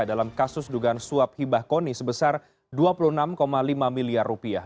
dalam kasus dugaan suap hibah koni sebesar dua puluh enam lima miliar rupiah